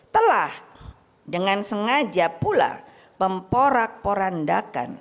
telah dengan sengaja pula memporak porandakan